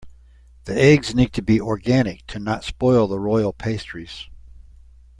The eggs need to be organic to not spoil the royal pastries.